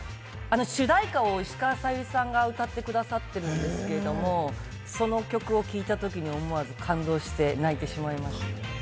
主題歌を石川さゆりさんが歌ってくださっているんですけれども、その曲を聴いたときに思わず感動して泣いてしまいました。